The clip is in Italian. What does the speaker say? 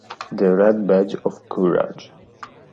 The Red Badge of Courage